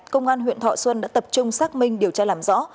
công an huyện thọ xuân đã tập trung xác minh điều tra làm rõ